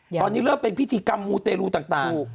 ตอนนี้เริ่มเป็นพิธีกรรมมูเตรลูต่าง